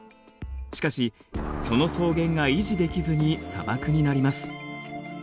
しかしその草原が維持できずに砂漠になります。